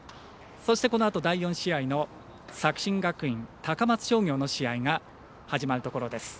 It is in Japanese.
そしてこのあと、第４試合の作新学院、高松商業の試合が始まるところです。